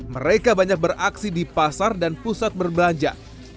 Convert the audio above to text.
mereka banyak beraksi di pasar dan pusat berbelanja